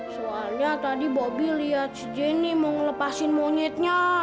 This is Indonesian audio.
soalnya tadi bobi lihat si jenny mau ngelepasin monyetnya